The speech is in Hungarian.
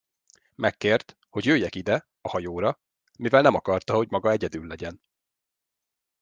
Megkért, hogy jöjjek ide, a hajóra, mivel nem akarta, hogy maga egyedül legyen.